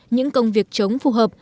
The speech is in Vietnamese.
những công việc chống phù hợp